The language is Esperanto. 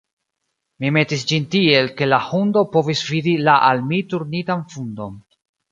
Mi metis ĝin tiel, ke la hundo povis vidi la al mi turnitan fundon.